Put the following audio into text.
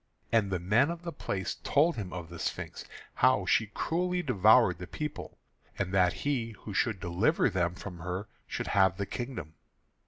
And the men of the place told him of the Sphinx, how she cruelly devoured the people, and that he who should deliver them from her should have the kingdom.